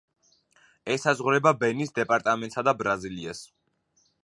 ესაზღვრება ბენის დეპარტამენტსა და ბრაზილიას.